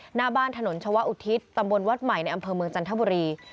หน้าบ้านถนนชาวอุทิศตำบลวัดใหม่ในอำเภอเมืองจันทบุรี